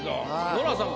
ノラさん